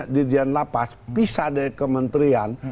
kalau dirjan lapas bisa dari kementerian